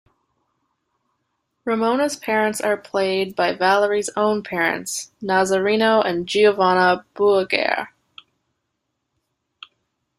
Ramona's parents are played by Valerie's own parents, Nazareno and Giovanna Buhagiar.